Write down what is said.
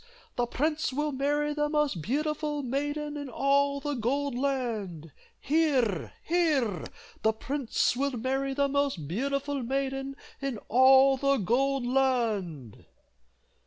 the prince will marry the most beautiful maiden in all the Gold Land. Hear! hear! the prince will marry the most beautiful maiden in all the Gold Land!"